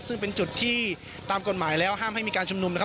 ซึ่งเป็นจุดที่ตามกฎหมายแล้วห้ามให้มีการชุมนุมนะครับ